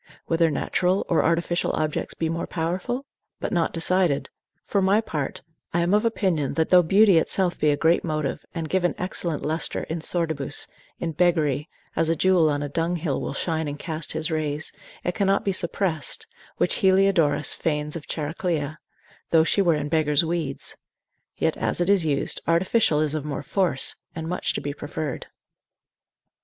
Whether natural or artificial objects be more powerful? but not decided: for my part I am of opinion, that though beauty itself be a great motive, and give an excellent lustre in sordibus, in beggary, as a jewel on a dunghill will shine and cast his rays, it cannot be suppressed, which Heliodorus feigns of Chariclia, though she were in beggar's weeds: yet as it is used, artificial is of more force, and much to be preferred.